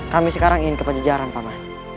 kami sekarang ingin ke panjajaran paman